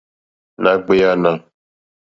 Nà ɡbèànà.